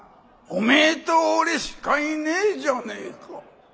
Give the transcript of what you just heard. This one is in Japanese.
「おめえと俺しかいねえじゃねえか。